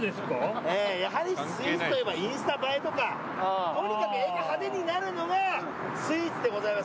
やはりスイーツといえばインスタ映えとかとにかく絵が派手になるのがスイーツでございます。